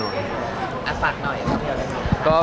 อ่ะฝากหน่อยภาพยนตร์เรื่องเรื่องนี้